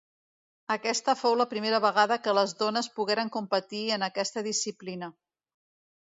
Aquesta fou la primera vegada que les dones pogueren competir en aquesta disciplina.